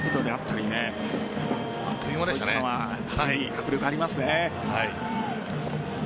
迫力ありますね。